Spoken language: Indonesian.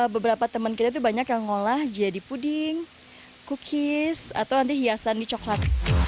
beberapa teman kita tuh banyak yang ngolah jadi puding cookies atau nanti hiasan di coklat